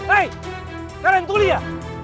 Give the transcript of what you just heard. hei kalian tulia